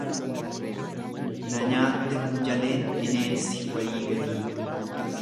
Nanyaatte muujaleen bineensi wayii gadii.